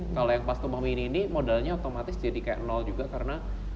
kalau yang pas tumpah mini ini modalnya otomatis jadi kayak nol juga karena